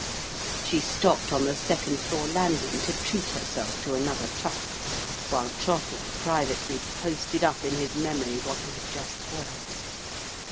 She stopped on the second floor landing to treat herself to another chuckle, while Trottle privately posted up in his memory what he had just heard.